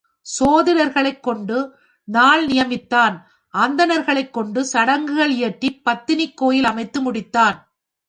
சோதிடர்களைக் கொண்டு நாள் நியமித்தான் அந்தணர்களைக் கொண்டு சடங்குகள் இயற்றிப் பத்தினிக் கோயில் அமைத்து முடித்தான்.